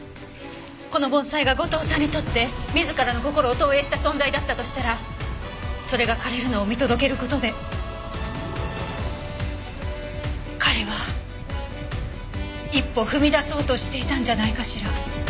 この盆栽が後藤さんにとって自らの心を投影した存在だったとしたらそれが枯れるのを見届ける事で彼は一歩踏み出そうとしていたんじゃないかしら。